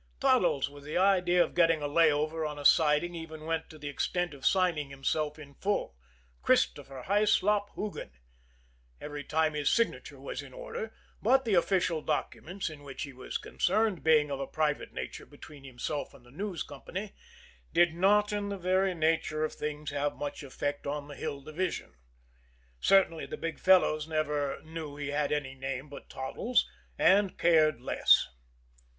Toddles, with the idea of getting a lay over on a siding, even went to the extent of signing himself in full Christopher Hyslop Hoogan every time his signature was in order; but the official documents in which he was concerned, being of a private nature between himself and the News Company, did not, in the very nature of things, have much effect on the Hill Division. Certainly the big fellows never knew he had any name but Toddles and cared less.